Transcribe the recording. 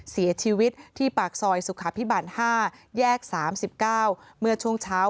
เสียชีวิตที่ปากซอยสุขภิบัน๕แยก๓๙เมื่อช่วงเช้า